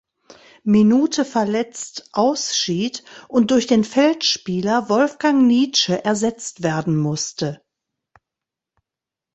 Minute verletzt ausschied und durch den Feldspieler Wolfgang Nitsche ersetzt werden musste.